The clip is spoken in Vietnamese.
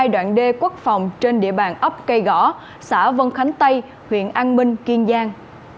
hai đoạn đê quốc phòng trên địa bàn ấp cây gõ xã vân khánh tây huyện an minh kiên giang